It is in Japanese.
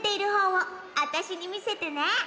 あたしにみせてね。